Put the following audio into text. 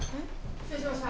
失礼しました。